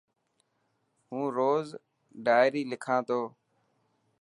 هون روز ڊائري لکا تو.